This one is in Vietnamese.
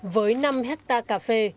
với năm hectare cà phê